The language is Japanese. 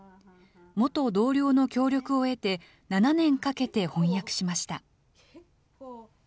元同僚の協力を得て、７年かけて翻訳しました。